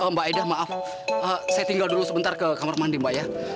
mbak eda maaf saya tinggal dulu sebentar ke kamar mandi mbak ya